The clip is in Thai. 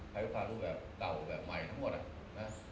ภายความรู้แบบเก่าแบบใหม่ทั้งหมด